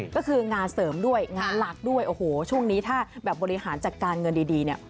ก็คืองานเสริมด้วยงานหลักด้วยโอ้โหช่วงนี้ถ้าแบบบริหารจัดการเงินดีเนี่ย